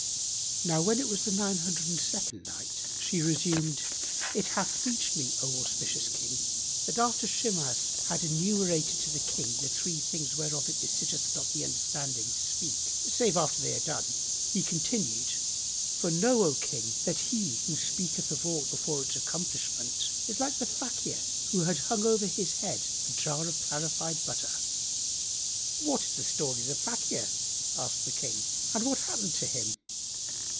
When it was the Nine Hundred and Second Night, She resumed: It hath reached me, O auspicious King, that after Shimas had enumerated to the King the three things whereof it besitteth not the understanding to speak save after they are done, he continued, "For know, O King, that he, who speaketh of aught before its accomplishment is like the Fakir who had hung over his head the jar of clarified butter.[FN#65]" "What is the story of the Fakir," asked the King, "and what happened to him?"